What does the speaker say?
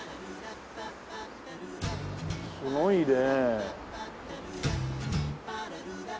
すごいね。